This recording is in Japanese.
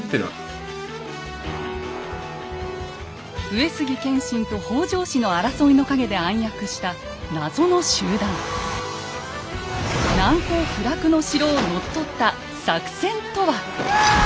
上杉謙信と北条氏の争いの陰で暗躍した難攻不落の城を乗っ取った作戦とは？